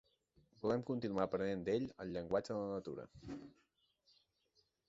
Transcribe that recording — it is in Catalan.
Volem continuar aprenent d'ell el llenguatge de la natura.